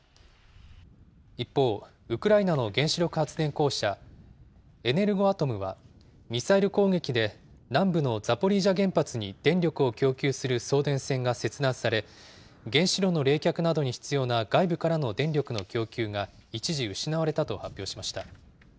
一方、ウクライナの原子力発電公社、エネルゴアトムは、ミサイル攻撃で南部のザポリージャ原発に電力を供給する送電線が切断され、原子炉の冷却などに必要な外部からの電力の供給が一時、失われたと発表しました。